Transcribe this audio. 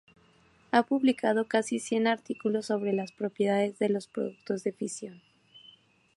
Ha publicado casi cien artículos sobre las propiedades de los productos de fisión.